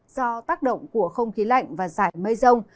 do tác động của không khí lạnh và giải mây rông